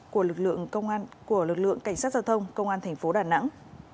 của lực lượng cảnh sát giao thông công an thành phố đà nẵng